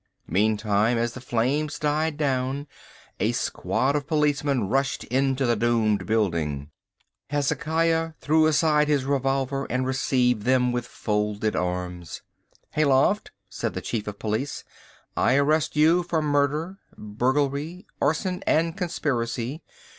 Meantime, as the flames died down, a squad of policemen rushed into the doomed building. Hezekiah threw aside his revolver and received them with folded arms. "Hayloft," said the chief of police, "I arrest you for murder, burglary, arson, and conspiracy.